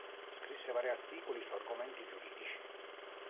Scrisse vari articoli su argomenti giuridici.